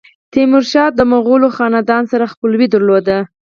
تیمورشاه د مغولو خاندان سره خپلوي درلوده.